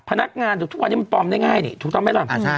พนักงานเดี๋ยวทุกวันนี้มันปลอมได้ง่ายนี่ถูกต้องไหมล่ะ